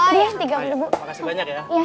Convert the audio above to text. makasih banyak ya